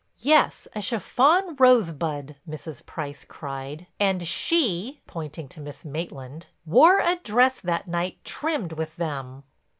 "Yes, a chiffon rosebud," Mrs. Price cried, "and she," pointing to Miss Maitland, "wore a dress that night trimmed with them."